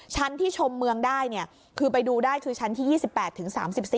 ชั้นที่ชมเมืองได้คือไปดูได้คือชั้นที่๒๘ถึง๓๔